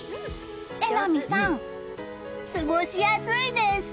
榎並さん、過ごしやすいです。